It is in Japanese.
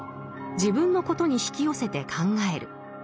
自分のことに引き寄せて考える。